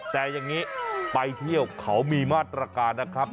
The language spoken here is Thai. แต่อย่างนี้ไปเที่ยวเขามีมาตรการนะครับ